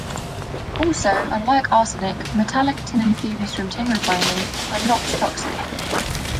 Also, unlike arsenic, metallic tin and fumes from tin refining are not toxic.